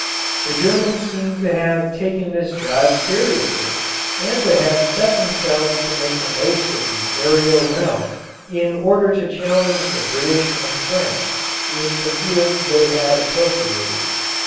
The Germans seem to have taken this jibe seriously and to have set themselves to make the most of the aerial realm in order to challenge the British and French in the fields they had appropriated.